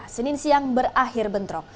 senin siang berakhir bentrok